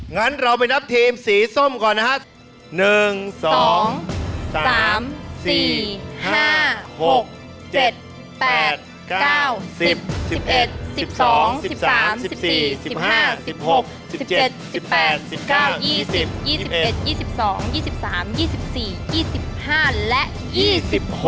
งั้นเราไปนับทีมสีส้มก่อนนะครับ